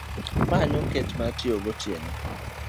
ma ne oket mar tiyo gotieno.